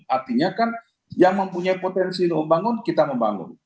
artinya kan yang mempunyai potensi untuk membangun kita membangun